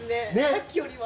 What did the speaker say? さっきよりは。